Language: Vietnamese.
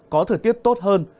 có thời tiết tốt hơn